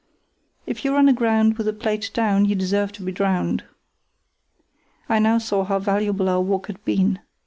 If you run aground with the plate down you deserve to be drowned." I now saw how valuable our walk had been.